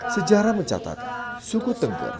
sejarah mencatat suku tengger